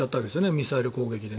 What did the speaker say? ミサイル攻撃で。